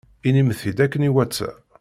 Inim-t-id akken iwata.